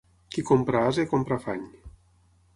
Qui compra ase compra afany.